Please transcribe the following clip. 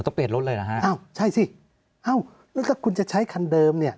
ต้องเปลี่ยนรถเลยนะฮะใช่สิแล้วก็คุณจะใช้คันเดิมเนี่ย